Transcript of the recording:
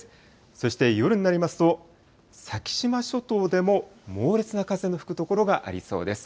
そして夜になりますと、先島諸島でも猛烈な風の吹く所がありそうです。